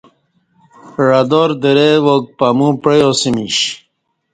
عدار درے واک پمو پعیاسمیش